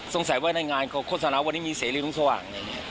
สงสัยว่าในงานเขาโฆษณาวันนี้มีเสรีลุ้งสว่างเนี่ย